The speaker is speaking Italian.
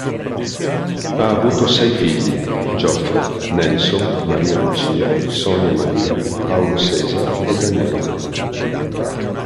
Ha avuto sei figli: Joffre, Nelson, Maria Lucia, Sonia Maria, Paulo Cesar e Daniela.